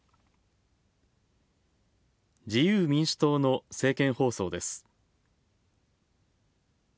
自由民主党の政見放送です。